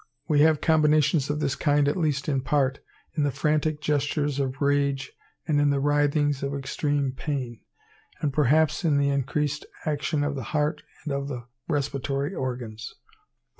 We have combinations of this kind, at least in part, in the frantic gestures of rage and in the writhings of extreme pain; and, perhaps, in the increased action of the heart and of the respiratory organs.